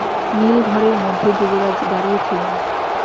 নীল ঘরের মধ্যে যুবরাজ দাঁড়িয়ে ছিলেন।